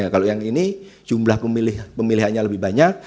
kalau yang ini jumlah pemilihannya lebih banyak